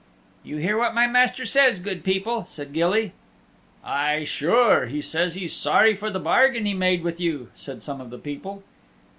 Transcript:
"You hear what my Master says, good people," said Gilly. "Aye, sure. He says he's sorry for the bargain he made with you," said some of the people.